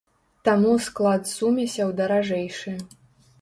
Таму склад сумесяў даражэйшы.